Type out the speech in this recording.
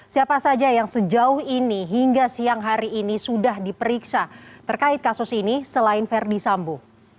siapa saja yang sejauh ini hingga siang hari ini sudah diperiksa terkait kasus ini selain verdi sambo